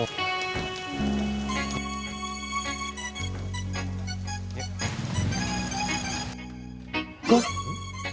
kan ada aa yang lindungin kamu